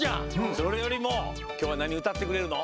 それよりもきょうはなにうたってくれるの？